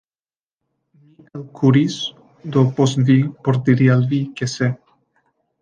Mi elkuris do post vi, por diri al vi, ke se.